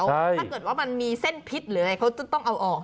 ถ้าเกิดว่ามันมีเส้นพิษหรืออะไรเขาจะต้องเอาออก